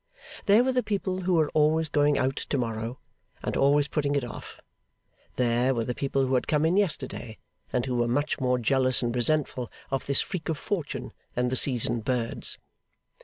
There, were the people who were always going out to morrow, and always putting it off; there, were the people who had come in yesterday, and who were much more jealous and resentful of this freak of fortune than the seasoned birds.